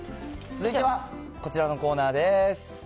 続いてはこちらのコーナーでーす。